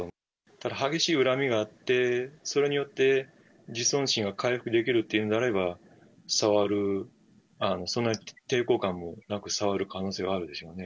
やっぱり激しい恨みがあって、それによって自尊心が回復できるというのであれば、触る、そんなに抵抗感もなく触る可能性があるでしょうね。